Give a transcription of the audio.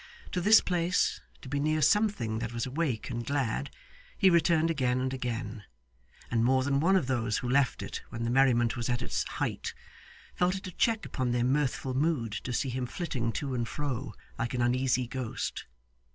To this place to be near something that was awake and glad he returned again and again; and more than one of those who left it when the merriment was at its height, felt it a check upon their mirthful mood to see him flitting to and fro like an uneasy ghost.